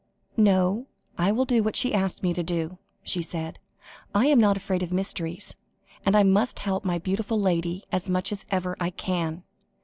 "No I will do what she asked me to do," she said. "I am not afraid of mysteries, and I must help my beautiful lady as much as ever I can."